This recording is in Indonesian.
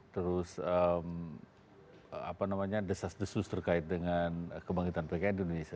terus apa namanya desas desus terkait dengan kebangkitan pki di indonesia